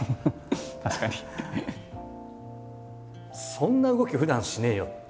そんな動きふだんしねえよって。